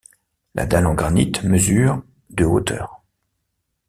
La dalle en granite mesure de hauteur.